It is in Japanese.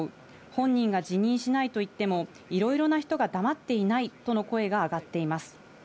本人が辞任しないと言っても、いろいろな人が黙っていないとの声があがっています。